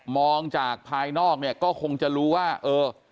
มองจากภายนอกเนี่ยก็คงจะรู้ว่าเออ